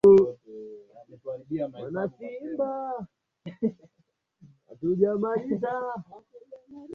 katika misururu ya maandamano ya mara kwa mara ya ghasia